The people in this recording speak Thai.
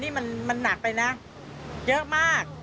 นี่มันหนักไปนะเยอะมาก